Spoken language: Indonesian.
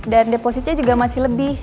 dan depositnya juga masih lebih